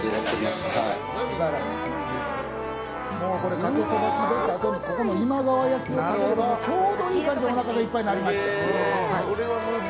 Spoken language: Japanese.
かけそば食べたあとにここの今川焼を食べるとちょうどいい感じにおなかがいっぱいになります。